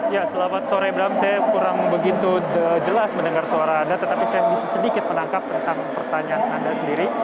ya selamat sore bram saya kurang begitu jelas mendengar suara anda tetapi saya bisa sedikit menangkap tentang pertanyaan anda sendiri